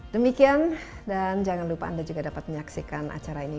demikian dan jangan lupa anda juga dapat menyaksikan acara ini